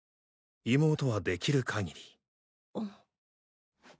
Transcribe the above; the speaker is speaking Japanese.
妹は出来る限り。